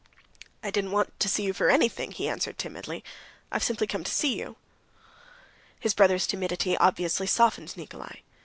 "I didn't want to see you for anything," he answered timidly. "I've simply come to see you." His brother's timidity obviously softened Nikolay.